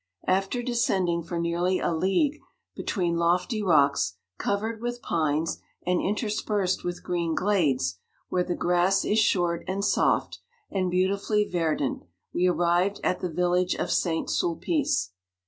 After descend ing for nearly a league between lofty rocks, covered with pines, and inter spersed with green glades, where the grass is short, and soft, and beautifully verdant, we arrived at the village of St. Sulpice.